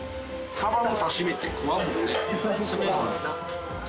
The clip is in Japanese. サバの刺し身って食わんもんね。